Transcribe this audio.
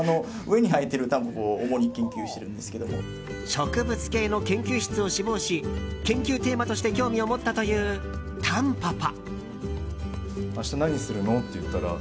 植物系の研究室を志望し研究テーマとして興味を持ったという、タンポポ。